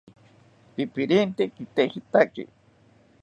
¡Pipirente kejitaki!